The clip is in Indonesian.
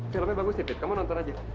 filmnya bagus nih fit kamu nonton aja